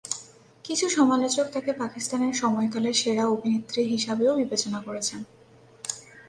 কিছু সমালোচক তাকে পাকিস্তানের সময়কালের সেরা অভিনেত্রী হিসাবেও বিবেচনা করেছেন।